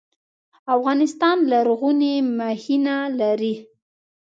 افغانستان لرغوني مخینه لري